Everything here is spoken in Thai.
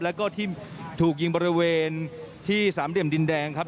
แล้วก็ที่ถูกยิงบริเวณที่สามเหลี่ยมดินแดงครับ